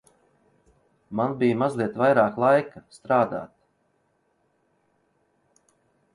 Man bija mazliet vairāk laika strādāt.